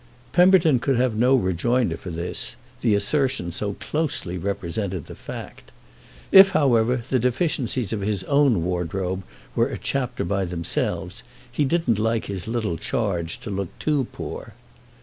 Pemberton could have no rejoinder for this—the assertion so closely represented the fact. If however the deficiencies of his own wardrobe were a chapter by themselves he didn't like his little charge to look too poor.